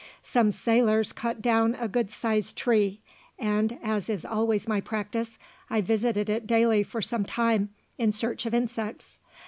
Some sailors cut down a good sized tree, and, as is always my practice, I visited it daily for some time in search of insects.